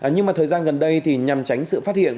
nhưng mà thời gian gần đây thì nhằm tránh sự phát hiện